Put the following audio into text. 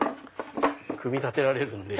組み立てられるんで。